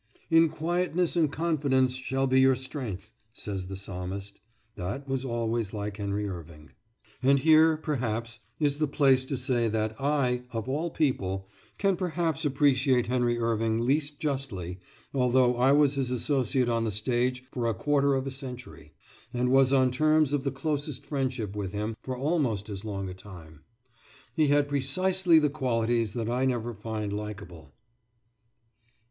"In quietness and confidence shall be your strength," says the psalmist. That was always like Henry Irving. And here, perhaps, is the place to say that I, of all people, can perhaps appreciate Henry Irving least justly, although I was his associate on the stage for a quarter of a century, and was on terms of the closest friendship with him for almost as long a time. He had precisely the qualities that I never find likable.